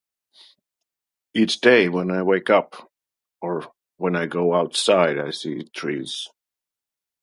Each day when I wake up, or when I go outside I see trees.